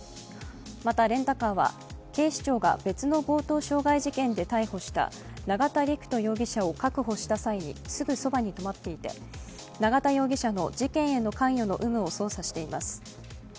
また、レンタカーは警視庁が別の強盗傷害事件で逮捕した永田陸人容疑者を確保した際にすぐそばに止まっていて永田容疑者の事件への関与の有無を捜査しています。